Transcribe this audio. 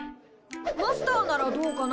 マスターならどうかな？